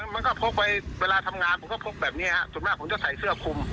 มันก็พกไปเวลาทำงานผมก็พกแบบนี้ส่วนมากผมจะใส่เสื้อคุม